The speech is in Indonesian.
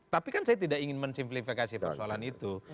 tapi kan saya tidak ingin mensimplifikasi persoalan itu